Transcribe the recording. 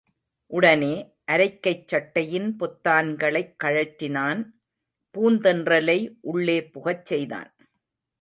உடனே, அரைக்கைச் சட்டையின் பொத்தான்களைக் கழற்றினான் பூந்தென்றலை உள்ளே புகச் செய்தான்.